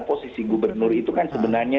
posisi gubernur itu kan sebenarnya